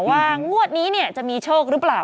ว่างวดนี้จะมีโชคหรือเปล่า